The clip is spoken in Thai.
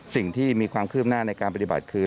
สิ่งที่มีความคืบหน้าในการปฏิบัติคือ